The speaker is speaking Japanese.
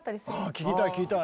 あ聞きたい聞きたい。